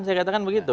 saya katakan begitu